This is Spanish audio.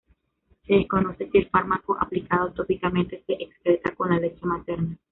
Se desconoce si el fármaco aplicado tópicamente se excreta con la leche materna.